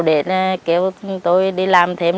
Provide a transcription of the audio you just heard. để kêu tôi đi làm thêm